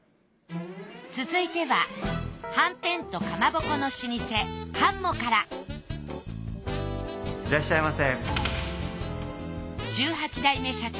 続いてははんぺんとかまぼこの老舗神茂からいらっしゃいませ。